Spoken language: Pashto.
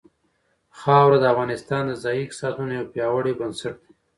خاوره د افغانستان د ځایي اقتصادونو یو پیاوړی بنسټ دی.